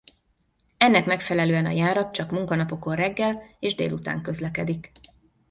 Ennek megfelelően a járat csak munkanapokon reggel és délután közlekedik.